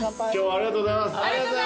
ありがとうございます。